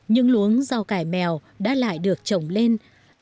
những luống rau cải mèo đã lại được trồng lên